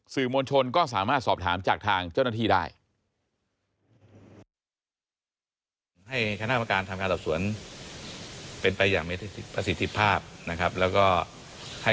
สื่อมวลชนก็สามารถสอบถามจากทางเจ้าหน้าที่ได้